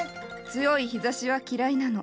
強い日ざしは嫌いなの。